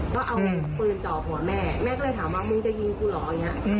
ก็เอาปืนจ่อหัวแม่แม่ก็เลยถามว่ามึงจะยิงกูเหรออย่างนี้